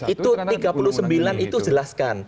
itu tiga puluh sembilan itu jelaskan